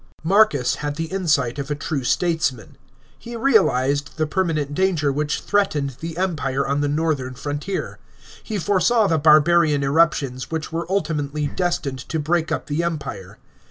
§ 14. Marcus had the insight of a true statesman. He realized the permanent danger which threatened the Empire on the northern frontier ; he foresaw the barbarian eruptions which were ultimately destined to break up the Empire.